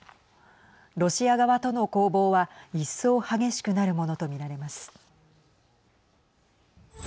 ロシア側との攻防は一層激しくなるものと見られます。